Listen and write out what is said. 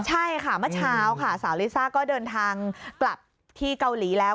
ใช่ค่ะเมื่อเช้าค่ะสาวลิซ่าก็เดินทางกลับที่เกาหลีแล้ว